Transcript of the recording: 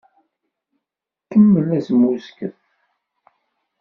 Kemmel asmuzget!